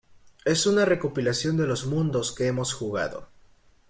Es un recopilación de los mundos que hemos jugado.